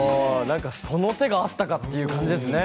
その手があったかという感じですよね。